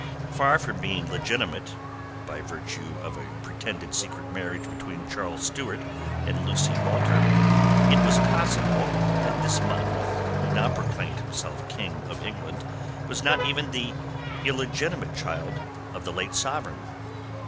Far from being legitimate by virtue of a pretended secret marriage between Charles Stuart and Lucy Walter it was possible that this Monmouth who now proclaimed himself King of England was not even the illegitimate child of the late sovereign.